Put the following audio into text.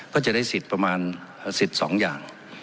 ก็จะได้สิทธิ์ประมาณสิทธิ์๒อย่าง